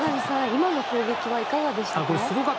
今の攻撃はいかがでしたか？